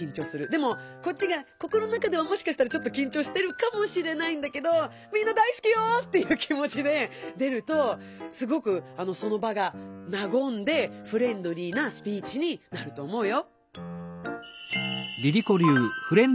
でもこっちが心の中ではもしかしたらきんちょうしてるかもしれないんだけど「みんな大すきよ」っていう気もちで出るとすごくその場がなごんでフレンドリーなスピーチになると思うよ。